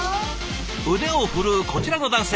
腕を振るうこちらの男性。